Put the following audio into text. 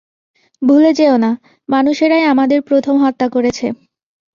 ভুলে যেয়ো না, মানুষেরাই আমাদের প্রথমে হত্যা করেছে।